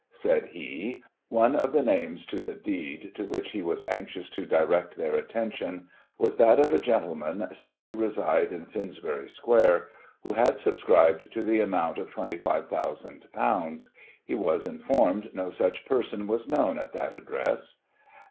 Said he :" One of the names to the deed, to which he was anxious to direct their attention, was that of a gentleman, said to reside in Finsbury Square, who had subscribed to the amount of ;£'25,ooo ; he was informed no such person was known at that address.